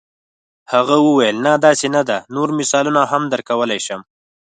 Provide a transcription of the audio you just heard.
هغه وویل نه داسې نه ده نور مثالونه هم درکولای شم.